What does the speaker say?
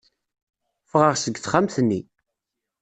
Ffɣeɣ seg texxamt-nni.